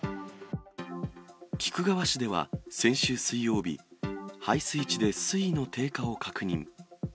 菊川市では先週水曜日、配水池で水位の低下を確認。